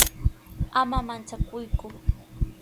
Ama manchakuyku.